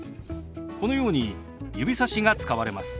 このように指さしが使われます。